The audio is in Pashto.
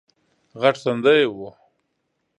غټ تندی یې وو